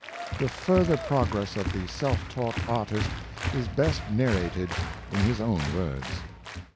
The further progress of the self taught artist is best narrated in his own words.